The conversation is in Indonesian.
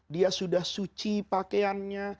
dia sudah suci pakaiannya